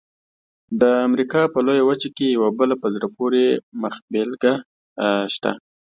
د امریکا په لویه وچه کې یوه بله په زړه پورې مخبېلګه شته.